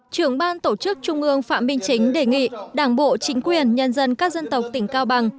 trưởng ban tổ chức trung ương phạm minh chính đề nghị đảng bộ chính quyền nhân dân các dân tộc tỉnh cao bằng